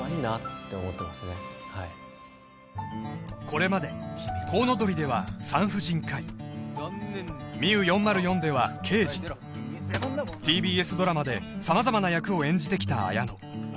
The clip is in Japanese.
これまで「コウノドリ」では産婦人科医「ＭＩＵ４０４」では刑事ＴＢＳドラマで様々な役を演じてきた綾野